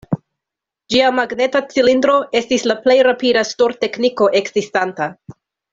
Ĝia magneta cilindro estis la plej rapida stor-tekniko ekzistanta.